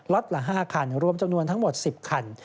ละ๕คันรวมจำนวนทั้งหมด๑๐คัน